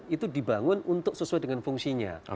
itu dibangun untuk sesuai dengan fungsinya